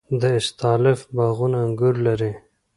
د استالف باغونه انګور لري.